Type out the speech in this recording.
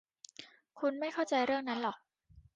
คุณไม่เข้าใจเรื่องนั้นเหรอ